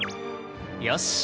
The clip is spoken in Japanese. よし。